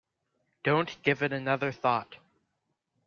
Don't give it another thought.